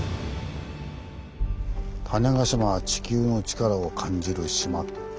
「種子島は、地球のチカラを感じる島⁉」と。